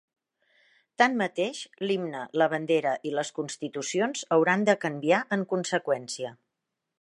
Tanmateix, l'himne, la bandera i les constitucions hauran de canviar en conseqüència.